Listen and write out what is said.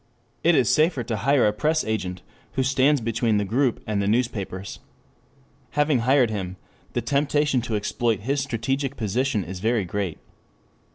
It is safer to hire a press agent who stands between the group and the newspapers. Having hired him, the temptation to exploit his strategic position is very great.